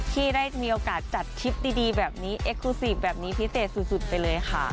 ที่ได้มีโอกาสจัดทริปดีแบบนี้เอ็กซูซีฟแบบนี้พิเศษสุดไปเลยค่ะ